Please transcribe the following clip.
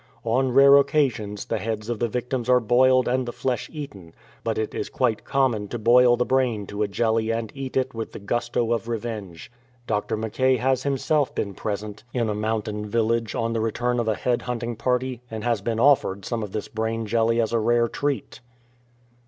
On rare occasions the heads of the victims are boiled and the flesh eaten, but it is quite common to boil the brain to a jelly and eat it with the gusto of revenge. Dr. Mackay has himself been present in a mountain 73 GUEST OF BARBARIAN CHIEFS village on the return of a head hunting party, and has been offered some of this brain jelly as a rare treat.